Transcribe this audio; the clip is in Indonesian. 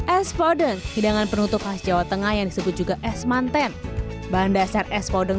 es podeng hidangan penutup khas jawa tengah yang disebut juga es manten bahan dasar es podeng